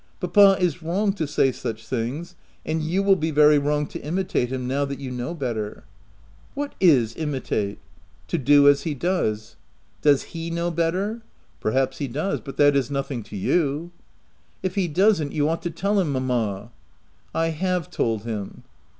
" Papa is wrong to say such things, and you will be very wrong to imitate him, now that you know better.'* " What is imitate ?"" To do as he does." OF WILDFELL HALL. 57 i€ Does he know better ?"" Perhaps he does ; but that is nothing to you." u If he doesn't, you ought to tell him, mamma." " I have told him."